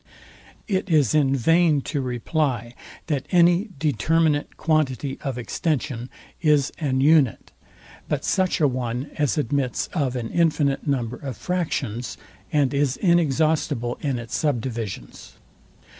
It is in vain to reply, that any determinate quantity of extension is an unite; but such a one as admits of an infinite number of fractions, and is inexhaustible in its sub divisions.